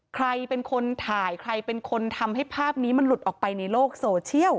ใครเป็นคนถ่ายใครเป็นคนทำให้ภาพนี้มันหลุดออกไปในโลกโซเชียล